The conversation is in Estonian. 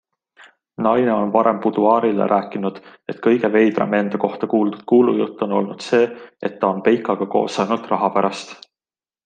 Naine on varem Buduaarile rääkinud, et kõige veidram enda kohta kuuldud kuulujutt on olnud see, et ta on peikaga koos ainult raha pärast.